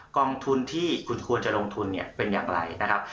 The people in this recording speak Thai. กองทุนที่คุณควรจะลงทุนเนี่ยเป็นอย่างไรนะครับ